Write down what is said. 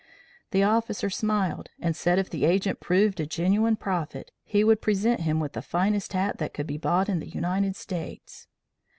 The officer smiled and said if the Agent proved a genuine prophet, he would present him with the finest hat that could be bought in the United States.